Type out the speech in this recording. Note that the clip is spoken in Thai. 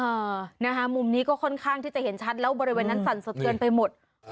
นะคะมุมนี้ก็ค่อนข้างที่จะเห็นชัดแล้วบริเวณนั้นสั่นสะเทือนไปหมด